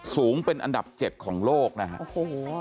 สูงเป็นอันดับ๗ของโลกนะครับ